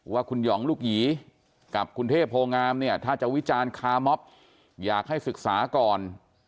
ว่าคุณหองลูกหยีกับคุณเทพโพงามเนี่ยถ้าจะวิจารณ์คามอบอยากให้ศึกษาก่อน